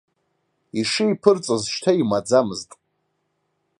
Ишеиԥырҵыз шьҭа имаӡамызт.